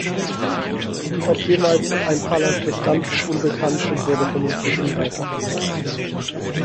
Ob jemals ein Palas bestand ist unbekannt und wurde vermutlich nie weiter verfolgt.